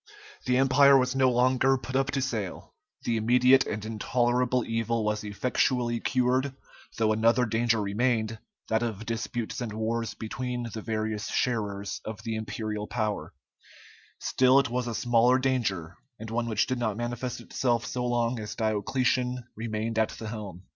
The Empire was no longer put up to sale, the immediate and intolerable evil was effectually cured, though another danger remained, that of disputes and wars between the various sharers of the imperial power; still it was a smaller danger and one which did not manifest itself so long as Diocletian remained at the helm.